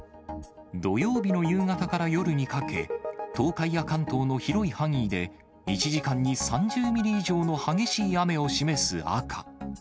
土曜日の夕方から夜にかけ、東海や関東の広い範囲で、１時間に３０ミリ以上の激しい雨を示す赤。